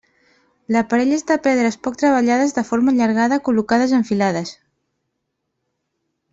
L'aparell és de pedres poc treballades de forma allargada col·locades en filades.